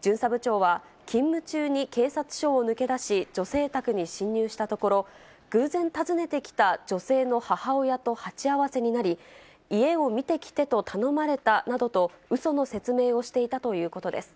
巡査部長は、勤務中に警察署に抜け出し、女性宅に侵入したところ、偶然訪ねてきた女性の母親と鉢合わせになり、家を見てきてと頼まれたなどと、うその説明をしていたということです。